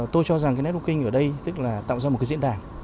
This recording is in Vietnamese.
tôi cho rằng networking ở đây tạo ra một diễn đàn